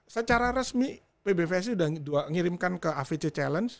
secara resmi pbvsc udah ngirimkan ke avc challenge